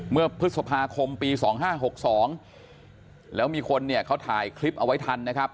เมื่อพฤษภาคมปี๒๕๖๒แล้วมีคนเนี่ยเขาถ่ายคลิปเอาไว้ทันนะครับ